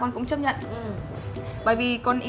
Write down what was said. anh không ăn bám ai cả